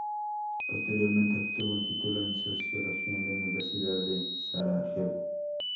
Posteriormente, obtuvo un título en Sociología en la Universidad de Sarajevo.